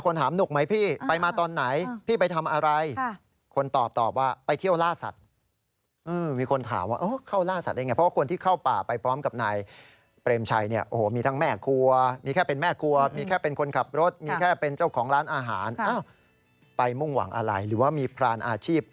นุกไหมพี่ไปกับนายพี่